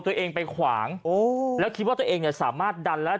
ตัวเองไปขวางโอ้แล้วคิดว่าตัวเองเนี่ยสามารถดันแล้ว